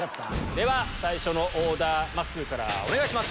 では最初のオーダーまっすーからお願いします！